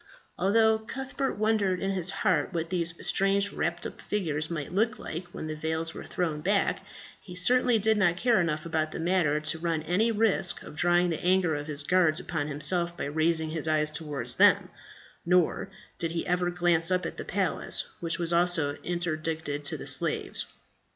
Although Cuthbert wondered in his heart what these strange wrapped up figures might look like when the veils were thrown back, he certainly did not care enough about the matter to run any risk of drawing the anger of his guards upon himself by raising his eyes towards them; nor did he ever glance up at the palace, which was also interdicted to the slaves.